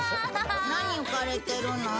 何、浮かれてるの？